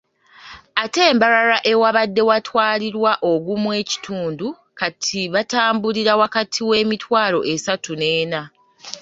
Ate e Mbarara awabadde watwalirwa ogumu ekitundu kati batambulira wakati w’emitwalo esatu n'ena.